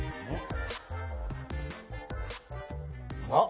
うまっ！